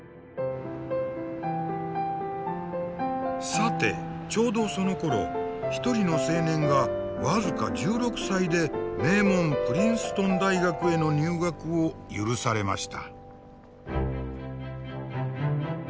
さてちょうどそのころ一人の青年が僅か１６歳で名門プリンストン大学への入学を許されました。